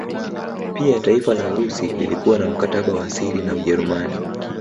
Pia taifa la Urusi lilikuwa na mkataba wa siri na Ujerumani